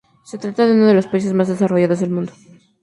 Se trata de uno de los países más desarrollados del mundo.